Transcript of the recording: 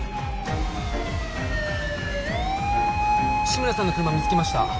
志村さんの車見つけました